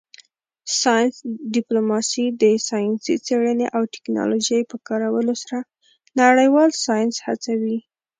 ساینس ډیپلوماسي د ساینسي څیړنې او ټیکنالوژۍ په کارولو سره نړیوال ساینس هڅوي